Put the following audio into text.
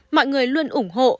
mọi người luôn ủng hộ